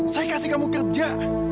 saya kasih kamu kerja